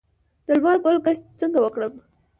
د لمر ګل کښت څنګه وکړم؟